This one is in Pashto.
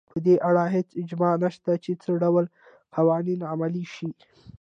په دې اړه هېڅ اجماع نشته چې څه ډول قوانین عملي شي.